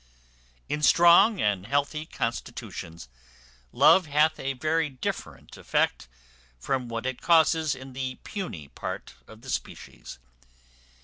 In strong and healthy constitutions love hath a very different effect from what it causes in the puny part of the species.